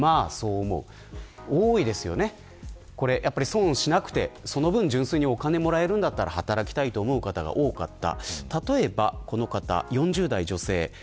損をしなくてその分、純粋にお金がもらえるんだったら働きたいと思う方が多かった。